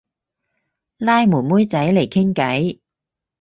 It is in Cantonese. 拉妹妹仔嚟傾偈